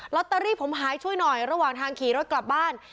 ตเตอรี่ผมหายช่วยหน่อยระหว่างทางขี่รถกลับบ้าน